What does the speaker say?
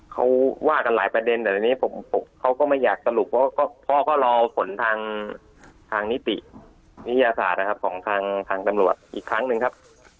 เขาว่ากันหลายประเด็นแต่ทีนี้เขาก็ไม่อยากสรุปเพราะพ่อก็รอผลทางนิติวิทยาศาสตร์นะครับของทางตำรวจอีกครั้งหนึ่งครับ